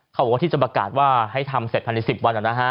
เขาบอกว่าที่จะประกาศว่าให้ทำเสร็จภายใน๑๐วัน